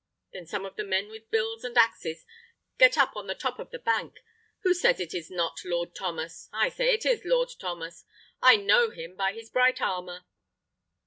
Then some of the men with bills and axes get up on the top of the bank: who says it is not Lord Thomas? I say it is Lord Thomas; I know him by his bright armour."